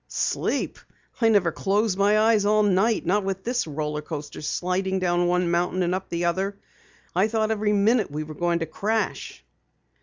"Sleep? I never closed my eyes all night, not with this roller coaster sliding down one mountain and up another. I thought every minute we were going to crash."